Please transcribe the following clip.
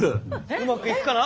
うまくいくかな？